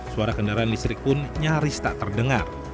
suara kendaraan listrik pun nyaris tak terdengar